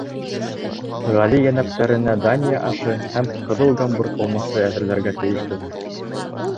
— Ғали йәнәптәренә Дания ашы һәм ҡыҙыл Гамбург ыумасы әҙерләргә тейешбеҙ.